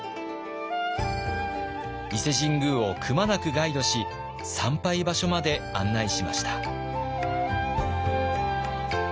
伊勢神宮をくまなくガイドし参拝場所まで案内しました。